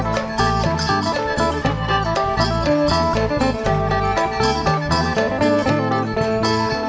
โชว์ฮีตะโครน